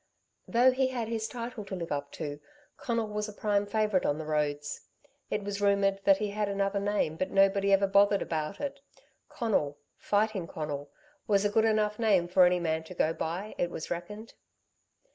Though he had his title to live up to, Conal was a prime favourite on the roads. It was rumoured that he had another name, but nobody ever bothered about it. Conal Fighting Conal was a good enough name for any man to go by, it was reckoned.